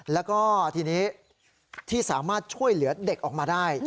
แล้วก็ทีนี้ที่สามารถช่วยเหลือเด็กออกมาได้